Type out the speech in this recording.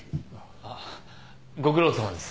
あっご苦労さまです。